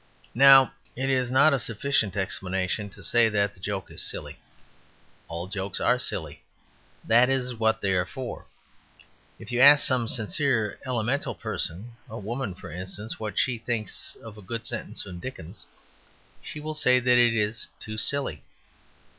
Now, it is not a sufficient explanation to say that the joke is silly. All jokes are silly; that is what they are for. If you ask some sincere and elemental person, a woman, for instance, what she thinks of a good sentence from Dickens, she will say that it is "too silly."